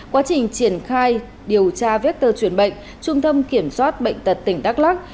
quá trình triển khai điều tra vector truyền bệnh trung tâm kiểm soát bệnh tật tỉnh đắk lắc